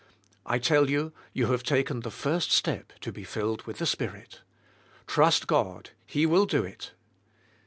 I tell you, you have taken the first step to be filled with the Spirit. Trust God, He will do it.